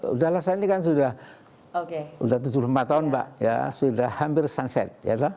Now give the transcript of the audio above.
udah lah saya ini kan sudah tujuh puluh empat tahun pak sudah hampir sunset